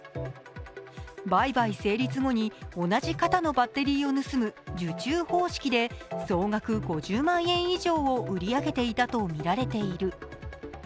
売買成立後に同じ型のバッテリーを盗む受注方式で総額５０万円以上を売り上げていたとみられている。